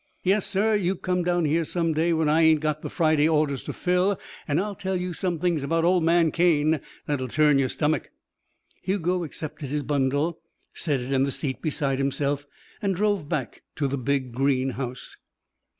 "Yes, sir. You come down here some day when I ain't got the Friday orders to fill an' I'll tell you some things about old man Cane that'll turn your stummick." Hugo accepted his bundle, set it in the seat beside himself, and drove back to the big, green house.